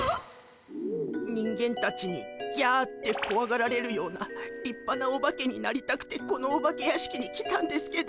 人間たちにギャってこわがられるような立派なオバケになりたくてこのお化け屋敷に来たんですけど。